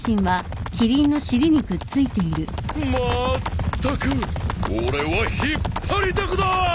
まーったく俺は引っ張りだこだ！